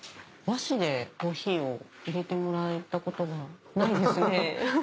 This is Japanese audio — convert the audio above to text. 和紙でコーヒーを入れてもらえたことがないですね。